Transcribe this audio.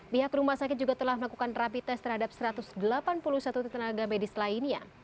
pihak rumah sakit juga telah melakukan rapi tes terhadap satu ratus delapan puluh satu tenaga medis lainnya